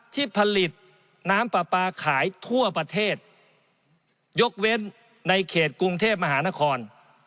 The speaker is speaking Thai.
ที่ผลิตน้ำปลาปลาขายทั่วประเทศยกเว้นในเขตกรุงเทพมหานคร